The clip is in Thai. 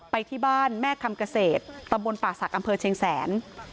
ไปที่บ้านแม่คำเกษตรตำบลป่าศักดิ์อำเภอเชียงแสน